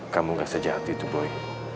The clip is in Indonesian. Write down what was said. kamu gak sejahat itu boy